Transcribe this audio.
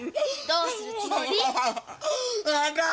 どうする？